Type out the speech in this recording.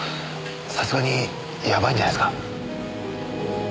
さすがにやばいんじゃないですか？